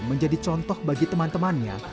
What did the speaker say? menjadi contoh bagi teman temannya